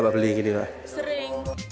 untuk oleh keluarga